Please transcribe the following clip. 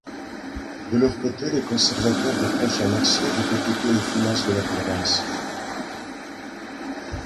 De leur côté, les conservateurs reprochent à Mercier d'hypothéquer les finances de la province.